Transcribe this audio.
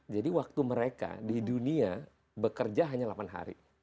jadi waktu mereka di dunia bekerja hanya delapan hari